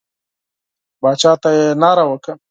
باچا ته یې ناره وکړه.